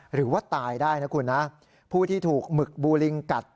หรือว่าตายได้นะคุณนะผู้ที่ถูกหมึกบูลิงกัด